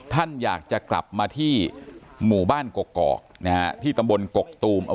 ท่านอยากจะกลับมาที่หมู่บ้านกกอกนะฮะที่ตำบลกกตูม